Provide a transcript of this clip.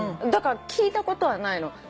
だから聞いたことはないの。